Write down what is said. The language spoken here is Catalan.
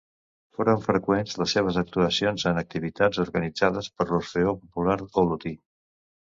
Foren freqüents les seves actuacions en activitats organitzades per l'Orfeó Popular Olotí.